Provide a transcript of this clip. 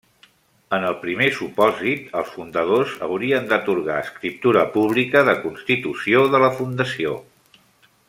En el primer supòsit els fundadors haurien d'atorgar escriptura pública de constitució de la fundació.